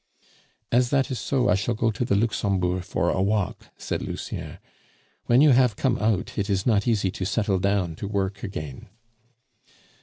"As that is so, I shall go to the Luxembourg for a walk," said Lucien. "When you have come out, it is not easy to settle down to work again."